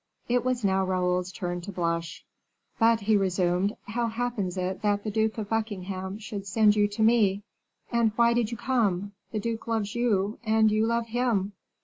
It was now Raoul's turn to blush. "But," he resumed, "how happens it that the Duke of Buckingham should send you to me; and why did you come? the duke loves you, and you love him."